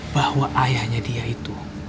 bahwa ayahnya dia itu